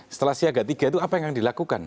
setelah siaga tiga itu apa yang dilakukan